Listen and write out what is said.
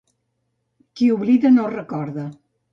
Qui oblida, no recorda.